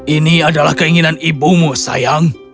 ini adalah keinginan ibumu sayang